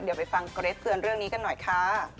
เดี๋ยวไปฟังเกรทเตือนเรื่องนี้กันหน่อยค่ะ